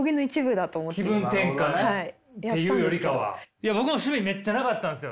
いや僕も趣味めっちゃなかったんすよ。